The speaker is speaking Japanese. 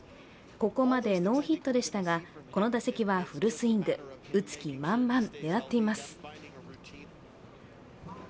ここまでノーヒットでしたが、この打席はフルスイング、打つ気満々、狙っています。